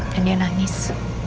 dan dia nangis